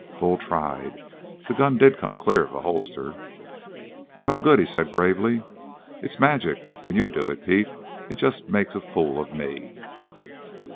Bull tried the gun did come clear of the holster. "No good," he said gravely. "It's magic when you do it, Pete. It just makes a fool of me."